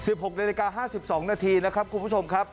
๑๖นาฬิกา๕๒นาทีนะครับคุณผู้ชมครับ